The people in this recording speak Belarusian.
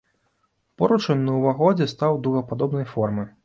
Поручань на ўваходзе стаў дугападобнай формы.